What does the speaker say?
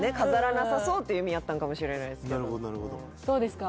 なさそうっていう意味やったんかもしれないですけどどうですか？